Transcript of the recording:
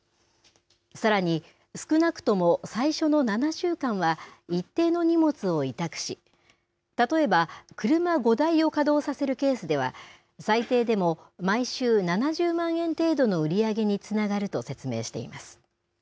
さらに、少なくとも最初の７週間は一定の荷物を委託し例えば車５台を稼働させるケースでは最低でも毎週７０万円程度の売り上げにつながると説明しています。